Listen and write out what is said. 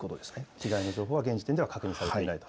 被害の情報は現時点では確認されていないと。